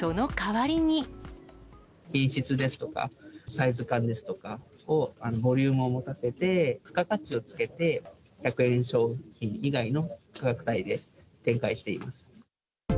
品質ですとか、サイズ感ですとかをボリュームを持たせて、付加価値をつけて、１００円商品以外の価格帯で展開しています。